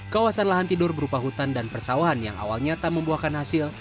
kawasan lahan tidur berupa hutan dan persawahan yang awalnya tak membuahkan hasil